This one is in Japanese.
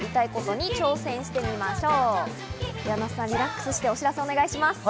那須さん、リラックスしてお知らせお願いします。